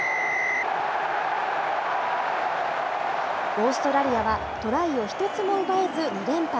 オーストラリアはトライを一つも奪えず２連敗。